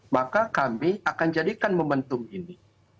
maka kami akan jadikan momentum ini